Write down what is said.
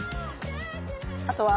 あとは？